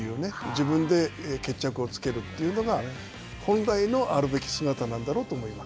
自分で決着を付けるというのが本来のあるべき姿なんだろうと思います。